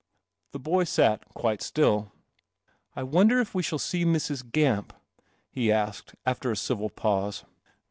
The boy sat quite still. " I wonder if we shall see Mrs. Gamp?' he asked, after a civil pause.